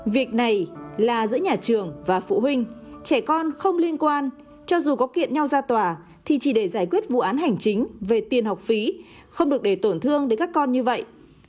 việc này là giữa nhà trường và phụ huynh trẻ con không liên quan cho dù có kiện nhau ra tòa thì chỉ để giải quyết vụ án hành chính về tiền học phí không được để tổn thương đến các con như vậy